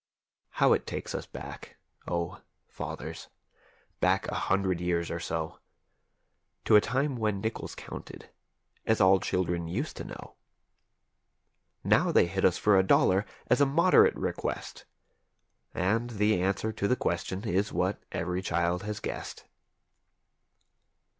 How it takes us back, oh, fathers, back a hundred years or so. To a time when nickels counted, as all children used to know. Now they hit us for a dollar as a moderate request. And the answer to the question is what every child has guessed.